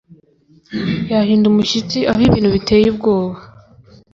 Yahinda umushyitsi aho ibintu biteye ubwoba.